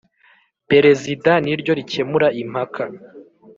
Perezida niryo rikemura impaka